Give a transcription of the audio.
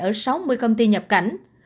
ở sáu mươi công ty nhập cảnh